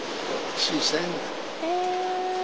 小さいな。